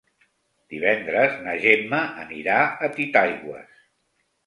Divendres na Gemma anirà a Titaigües.